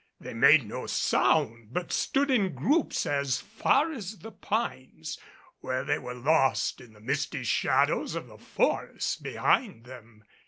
They made no sound but stood in groups as far as the pines, where they were lost in the misty shadows of the forest behind them.